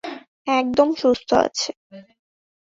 একদম সুস্থ আছে।